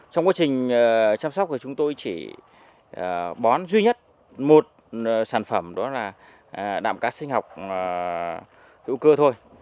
trong quá trình chăm sóc thì chúng tôi chỉ bón duy nhất một sản phẩm đó là đạm cá sinh học hữu cơ thôi